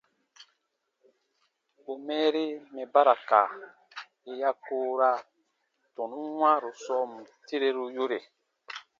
Bù mɛɛri mɛ̀ ba ra ka yè ya koora tɔnun wãaru sɔɔn tireru yore.